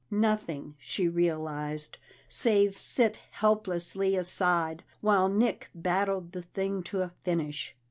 Nothing, she realized, save sit helplessly aside while Nick battled the thing to a finish.